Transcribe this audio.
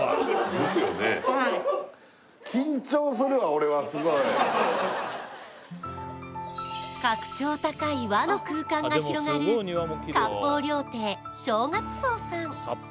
俺はすごい格調高い和の空間が広がる割烹料亭正月荘さん